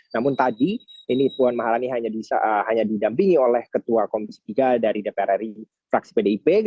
namun tadi ini puan maharani hanya didampingi oleh ketua komisi tiga dari dpr ri fraksi pdip